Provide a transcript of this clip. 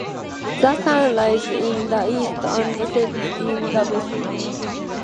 The sun rises in the east and sets in the west.